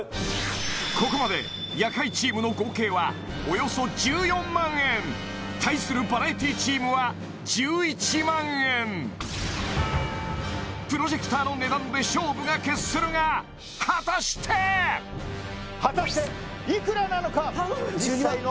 ここまで夜会チームの合計はおよそ１４万円対するバラエティチームは１１万円プロジェクターの値段で勝負が決するが果たして頼むこい！